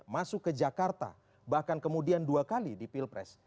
masuk ke jakarta bahkan kemudian dua kali di pilpres